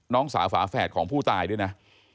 น้องสาวฝาแฝดของผู้ตายด้วยนะ